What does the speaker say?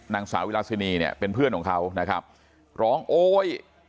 นางสาวิราชินีเนี่ยเป็นเพื่อนของเขานะครับร้องโอ๊ย